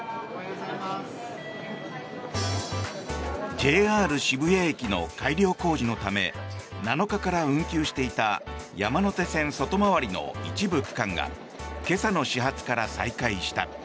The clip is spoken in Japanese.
ＪＲ渋谷駅の改良工事のため７日から運休していた山手線外回りの一部区間が今朝の始発から再開した。